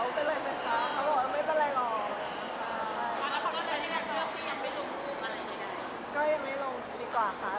จะให้กลับกลับีกถึงที่คอมการ